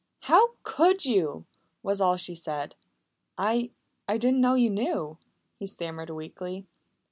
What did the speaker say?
"How could you?" was all she said. "I I didn't know you knew," he stammered weakly.